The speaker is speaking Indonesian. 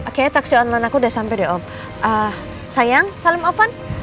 kayaknya taksi onlinen aku udah sampai deh om sayang salam ofan